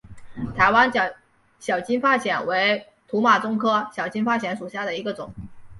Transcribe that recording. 台湾小金发藓为土马鬃科小金发藓属下的一个种。